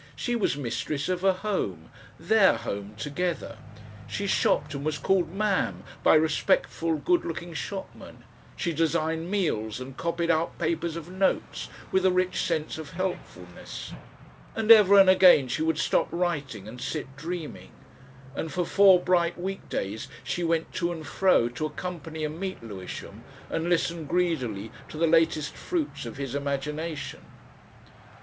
She was mistress of a home their home together. She shopped and was called "Ma'am" by respectful, good looking shopmen; she designed meals and copied out papers of notes with a rich sense of helpfulness. And ever and again she would stop writing and sit dreaming. And for four bright week days she went to and fro to accompany and meet Lewisham and listen greedily to the latest fruits of his imagination.